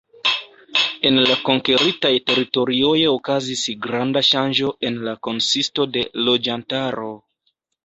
En la konkeritaj teritorioj okazis granda ŝanĝo en la konsisto de loĝantaro.